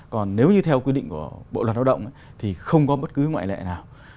còn nếu như theo quy định của bộ luật lao động thì không có bất cứ ngoại lệ nào